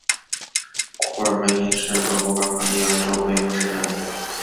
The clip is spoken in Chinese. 库尔迈因是德国巴伐利亚州的一个市镇。